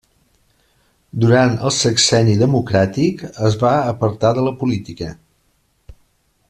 Durant el sexenni democràtic es va apartar de la política.